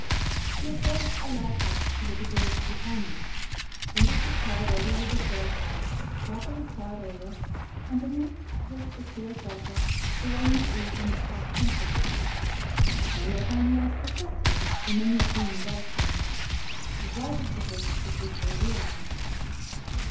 "We had built a log hut with the DEBRIS of the BRITANNIA, and this was covered over with sail cloth, carefully tarred over, and beneath this secure shelter the rainy season passed comfortably. Many a plan was discussed here, and many a dream indulged in, the brightest of which is this day realized.